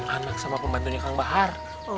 anak sama pembantunya kang bahar